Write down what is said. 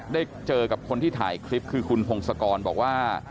ได้เจอกับคนที่ถ่ายคลิปคือคุณพงศกรบอกว่า